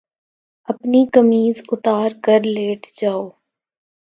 أپنی قمیض اُتار کر لیٹ جاؤ